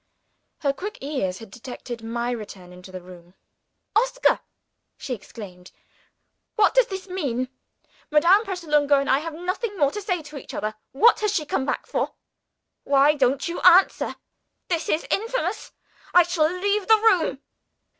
Her quick ears had detected my return into the room. "Oscar!" she exclaimed, "what does this mean? Madame Pratolungo and I have nothing more to say to each other. What has she come back for? Why don't you answer? This is infamous! I shall leave the room!"